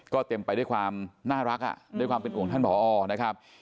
ก็เต็มไปด้วยความน่ารักด้วยความเป็นห่วงท่านผอนะครับ